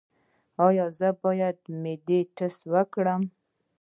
ایا زه باید د معدې ټسټ وکړم؟